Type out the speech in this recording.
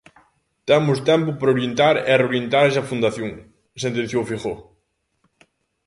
"Temos tempo para orientar e reorientar esa fundación", sentenciou Feijóo.